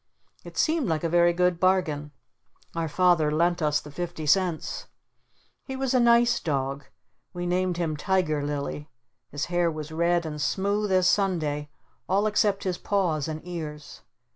It seemed like a very good bargain. Our Father lent us the fifty cents. He was a nice dog. We named him Tiger Lily. His hair was red and smooth as Sunday all except his paws and ears.